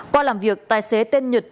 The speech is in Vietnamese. qua làm việc tài xế tên nhật